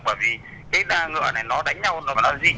bởi vì cái ngựa này nó đánh nhau và nó di chuyển liên tục